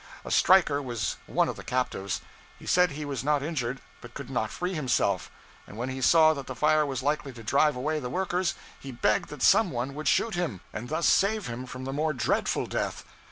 A striker was one of the captives; he said he was not injured, but could not free himself; and when he saw that the fire was likely to drive away the workers, he begged that some one would shoot him, and thus save him from the more dreadful death.